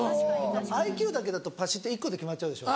ＩＱだけだとパシっと１個で決まっちゃうでしょ。